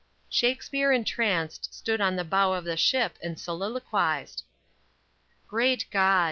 Shakspere entranced stood on the bow of the ship and soliloquized: _Great God!